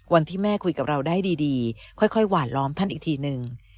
วันที่แม่คุยกับเราได้ดีค่อยหวานล้อมท่านอีกทีนึง